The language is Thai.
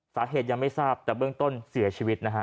สาเหตุยังไม่ทราบแต่เบื้องต้นเสียชีวิตนะฮะ